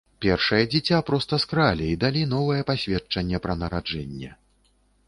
Першае дзіця проста скралі і далі новае пасведчанне пра нараджэнне.